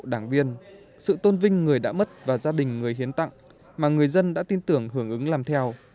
đảng viên sự tôn vinh người đã mất và gia đình người hiến tặng mà người dân đã tin tưởng hưởng ứng làm theo